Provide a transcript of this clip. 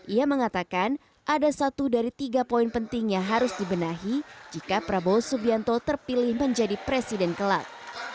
ia mengatakan ada satu dari tiga poin penting yang harus dibenahi jika prabowo subianto terpilih menjadi presiden kelak